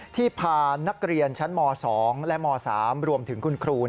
พานักเรียนชั้นม๒และม๓รวมถึงคุณครู